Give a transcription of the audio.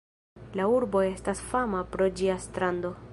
La urbo estas fama pro ĝia strando.